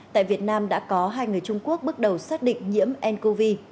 tại việt nam đã có hai người trung quốc bước đầu xác định nhiễm ncov